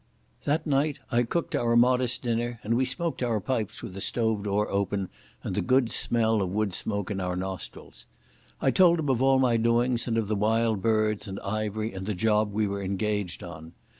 That night I cooked our modest dinner, and we smoked our pipes with the stove door open and the good smell of woodsmoke in our nostrils. I told him of all my doings and of the Wild Birds and Ivery and the job we were engaged on.